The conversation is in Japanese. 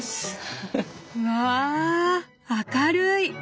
うわ明るい！